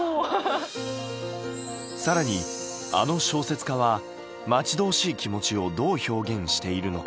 更にあの小説家は待ち遠しい気持ちをどう表現しているのか。